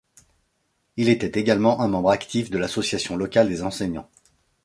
Il était également un membre actif de l'association locale des enseignants.